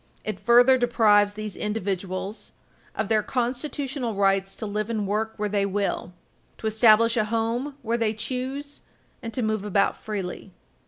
It further deprives these individuals of their constitutional rights to live and work where they will, to establish a home where they choose and to move about freely.